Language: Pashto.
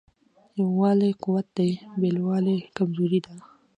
یووالی قوت دی بېلوالی کمزوري ده.